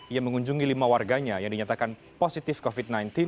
ia mengunjungi lima warganya yang dinyatakan positif covid sembilan belas